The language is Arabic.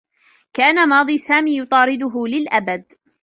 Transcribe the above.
كان ماضي سامي يطارده للأبد.